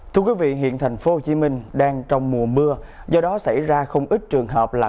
thưa quý vị hiện thành phố hồ chí minh đang trong mùa mưa do đó xảy ra không ít trường hợp là